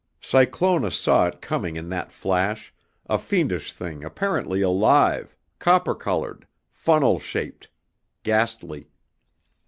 Cyclona saw it coming in that flash, a fiendish thing apparently alive, copper colored, funnel shaped, ghastly.